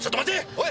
おい！